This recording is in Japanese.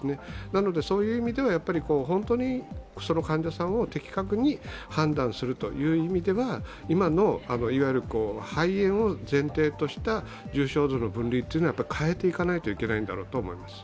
なのでそういう意味では本当にその患者さんを的確に判断するという意味では、今の肺炎を前提とした重症度の分類というのは変えていかないといけないんだろうと思います。